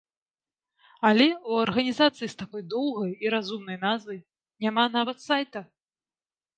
Але ў арганізацыі з такой доўгай і разумнай назвай няма нават сайта!